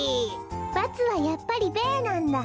×はやっぱり「ベー」なんだ。